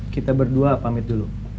kita berdua pamit dulu